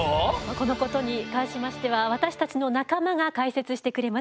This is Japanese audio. このことに関しましては私たちの仲間が解説してくれます。